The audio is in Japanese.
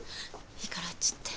いいからあっち行って。